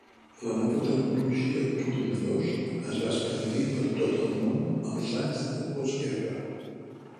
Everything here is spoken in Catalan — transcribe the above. La nova tecnologia dels ordinadors es va expandir per tot el món els anys de postguerra.